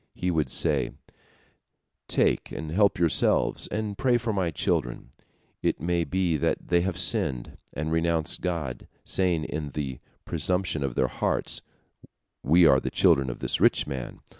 He would say: "Take and help yourselves, and pray for my children. It may be that they have sinned, and renounced God, saying in the presumption of their hearts: 'We are the children of this rich man.